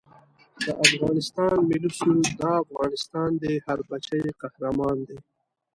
د افغانستان ملي سرود دا افغانستان دی هر بچه یې قهرمان دی